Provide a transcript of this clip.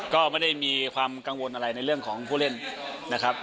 ก็ไม่ได้มีความกังวลอะไรในเรื่องของผู้เล่นนะครับ